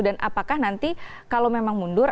dan apakah nanti kalau memang mundur